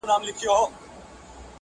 ژړا مي وژني د ژړا اوبـو تـه اور اچـوي,